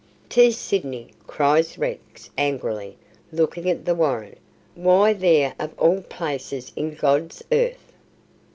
"To Sydney!" cries Rex angrily, looking at the warrant. "Why there of all places in God's earth?"